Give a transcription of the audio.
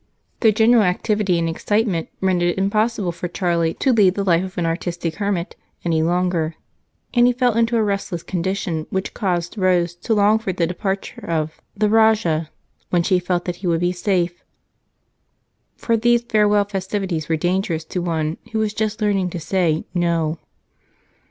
The general activity and excitement rendered it impossible for Charlie to lead the life of an artistic hermit any longer and he fell into a restless condition which caused Rose to long for the departure of the Rajah when she felt that he would be safe, for these farewell festivities were dangerous to one who was just learning to say "no."